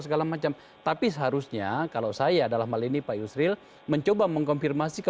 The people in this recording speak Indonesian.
kalau pak abu bakar basir